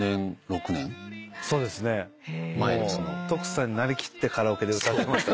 さんになりきってカラオケで歌ってました。